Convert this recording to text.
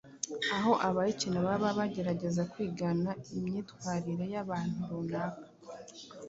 aho abayikina baba bagerageza kwigana imyitwarire y’abantu runaka.